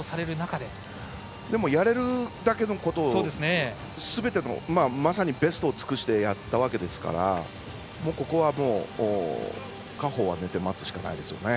でもやれるだけのことまさにベストを尽くしてやったわけですからここは、果報は寝て待つしかないですね。